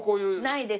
ないです